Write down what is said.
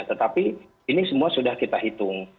tetapi ini semua sudah kita hitung